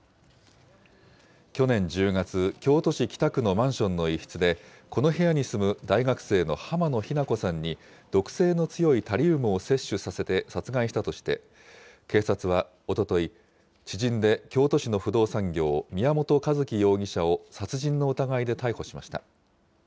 去年１０月、京都市北区のマンションの一室で、この部屋に住む大学生の濱野日菜子さんに、毒性の強いタリウムを摂取させて殺害したとして、警察はおととい、知人で京都市の不動産業、宮本一希容疑者を殺人の疑いで逮捕しました。